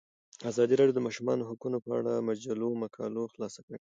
ازادي راډیو د د ماشومانو حقونه په اړه د مجلو مقالو خلاصه کړې.